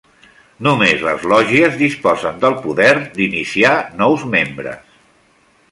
Només les lògies disposen del poder, d'iniciar nous membres.